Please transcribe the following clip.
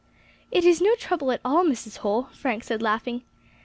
"It is no trouble at all, Mrs. Holl," Frank said, laughing.